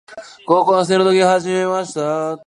高校生の時に始めました。